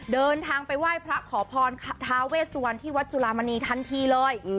เดินทางไปไหว้พระขอพรทาเวสวันที่วัดจุลามณีทันทีเลย